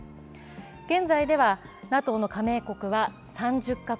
現在ではＮＡＴＯの加盟国は３０か国。